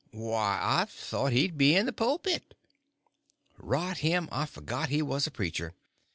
"Why, I thought he'd be in the pulpit." Rot him, I forgot he was a preacher.